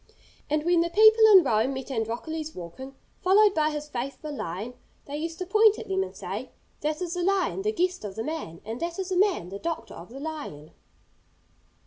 And when the people in Rome met Androcles walking, followed by his faithful lion, they used to point at them and say, 'That is the lion, the guest of the man, and that is the man, the doctor of the lion.'